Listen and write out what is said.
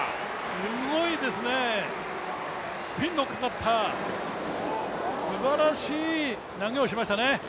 すごいですね、スピンのかかったすばらしい投げをしましたね。